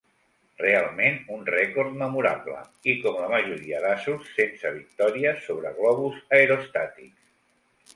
Realment un rècord memorable, i com la majoria d'asos, sense victòries sobre globus aerostàtics.